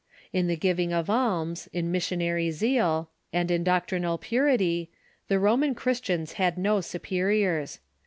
In the giving of alms, in missionary zeal, and in doctrinal purity, the Roman Christians had no superiors.